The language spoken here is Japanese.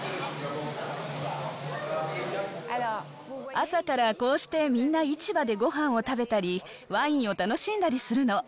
朝から、こうしてみんな市場でごはんを食べたり、ワインを楽しんだりするの。